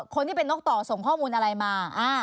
คนที่เป็นนกต่อส่งข้อมูลอะไรมา